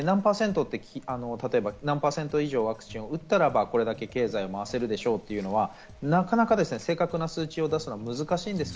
何％以上ワクチンを打ったら、これだけ経済を回せるでしょうというのは、なかなか正確な数字を出すのは難しいんです。